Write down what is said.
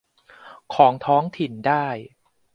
ของท้องถิ่นได้